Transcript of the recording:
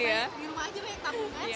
di rumah aja banyak tabungan